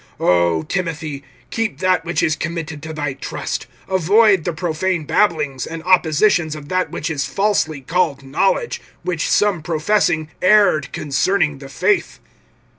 (20)O Timothy, keep that which is committed to thy trust, avoiding the profane babblings, and oppositions of that which is falsely called knowledge; (21)which some professing erred concerning the faith.